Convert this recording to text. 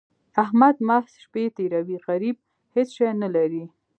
احمد محض شپې تېروي؛ غريب هيڅ شی نه لري.